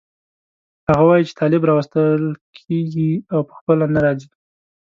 هغه وایي چې طالب راوستل کېږي او په خپله نه راځي.